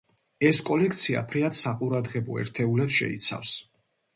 ეს კოლექცია ფრიად საყურადღებო ერთეულებს შეიცავს.